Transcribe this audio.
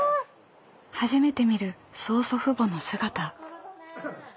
初めて見る曽祖父母の姿。